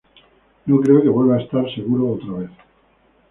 No creo que vuelva a estar seguro otra vez.